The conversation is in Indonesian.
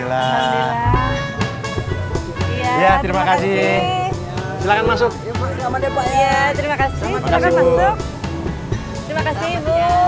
ya terima kasih silahkan masuk ya terima kasih terima kasih ibu terima kasih ibu terima kasih